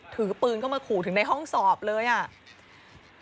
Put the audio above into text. ถือปืนเข้ามาขู่ถึงในห้องสอบเลยอ่ะ